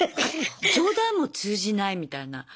冗談も通じないみたいな。